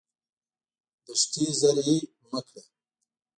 دښتې زرعي مه کړه.